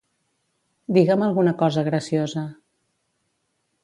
Digue'm alguna cosa graciosa.